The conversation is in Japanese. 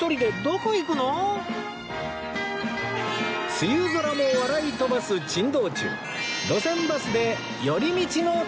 梅雨空も笑い飛ばす珍道中